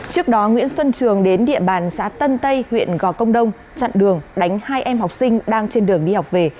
trước đó nguyễn xuân trường đến địa bàn xã tân tây huyện gò công đông chặn đường đánh hai em học sinh đang trên đường đi học về